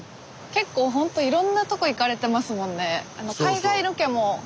結構ほんといろんなとこ行かれてますもんね。